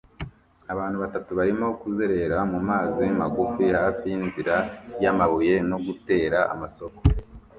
Abantu batatu barimo kuzerera mu mazi magufi hafi yinzira yamabuye no gutera amasoko